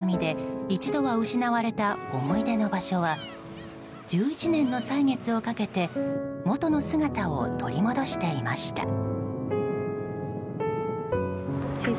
震災による津波で一度は失われた思い出の場所は１１年の歳月をかけて元の姿を取り戻していました。